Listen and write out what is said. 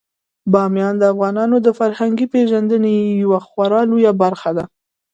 بامیان د افغانانو د فرهنګي پیژندنې یوه خورا لویه برخه ده.